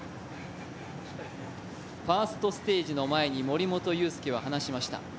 ファーストステージの前に森本裕介は話しました。